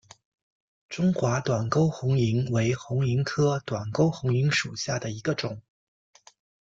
中华短沟红萤为红萤科短沟红萤属下的一个种。